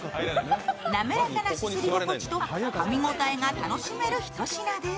なめらかなすすり心地とかみ応えが楽しめる一品です。